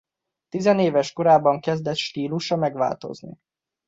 Tizenéves korában kezdett stílusa megváltozni.